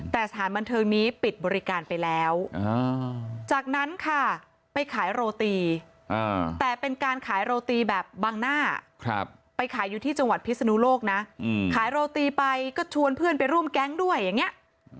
แต่สถานบันเทิงนี้ปิดบริการไปแล้วจากนั้นค่ะไปขายโรตีแต่เป็นการขายโรตีแบบบังหน้าไปขายอยู่ที่จังหวัดพิศนุโลกนะขายโรตีไปก็ชวนเพื่อนไปร่วมแก๊งด้วยอย่างนี้